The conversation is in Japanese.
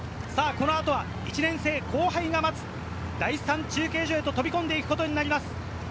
このあとは１年生、後輩が待つ第３中継所へと飛び込んでいくことになります。